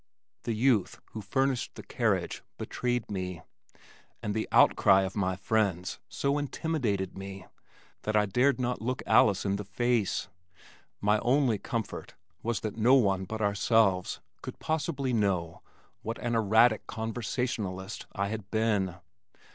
The youth who furnished the carriage betrayed me, and the outcry of my friends so intimidated me that I dared not look Alice in the face. My only comfort was that no one but ourselves could possibly know what an erratic conversationalist I had been.